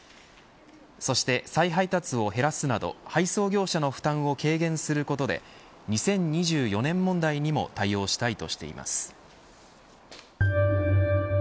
そして、再配達を減らすなど配送業者の負担を軽減することで２０２４年問題にも対応したいとしています。